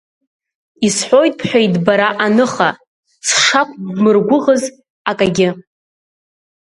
Исҳәоит бҳәеит бара аныха, сшақәбмыргәыӷыз акагьы!